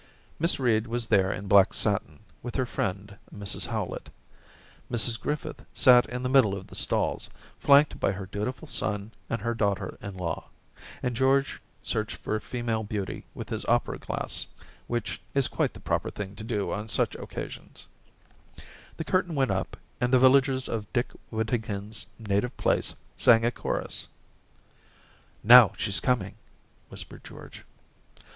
Miss Reed was there in black satin, with her friend Mrs Howlett ; Mrs Griffith sat in the middle of the stalls, flanked by her dutiful son and her daughter in law; and George searched for female beauty with his opera glass, which is quite the proper thing to do on such occasions. ... v^. 252 Orientations The curtain went up, and the villagers of Dick Whittington's native place sang a chorus. * Now she's coming/ whispered George.